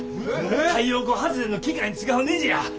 太陽光発電の機械に使うねじや。